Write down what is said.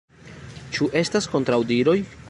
Ĉu estas kontraŭdiroj?